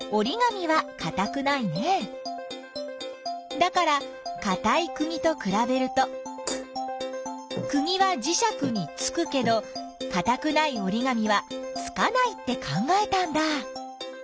だからかたいくぎとくらべるとくぎはじしゃくにつくけどかたくないおりがみはつかないって考えたんだ。